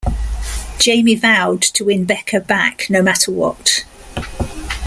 Jamie vowed to win Becca back no matter what.